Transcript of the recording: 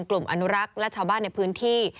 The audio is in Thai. กลุ่มอนุรักษ์และชาวบ้านในพื้นที่